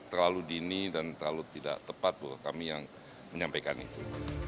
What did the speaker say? terlalu dini dan terlalu tidak tepat buat kami yang menyampaikan itu